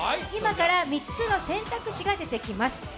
今から３つの選択肢が出てきます。